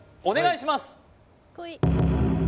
お願いします